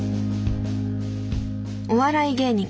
お笑い芸人